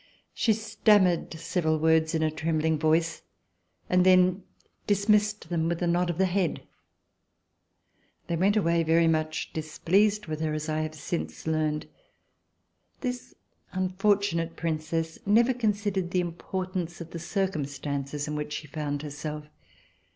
She stammered several words in a trembling voice and then dismissed them with a nod of the head. They went away very much displeased with her, as I have since learned. This unfortunate Princess never considered the importance of the cir cumstances in which she found herself.